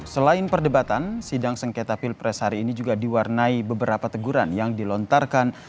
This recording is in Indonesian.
selain perdebatan sidang sengketa pilpres hari ini juga diwarnai beberapa teguran yang dilontarkan